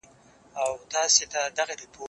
زه کولای سم ونې ته اوبه ورکړم!.